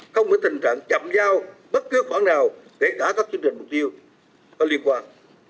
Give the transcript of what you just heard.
không có tình trạng chậm giao bất cứ khoản nào để đả tắt chương trình mục tiêu liên quan